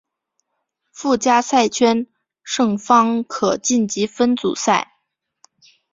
附加赛圈胜方可晋级分组赛。